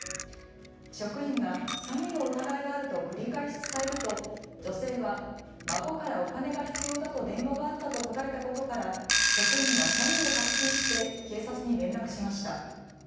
職員が詐欺の疑いがあると繰り返し伝えると女性は孫からお金が必要だと電話があったと答えたことから職員は詐欺を確信して警察に連絡しました。